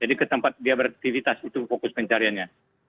jadi ke tempat dia beraktivitas itu fokus pencariannya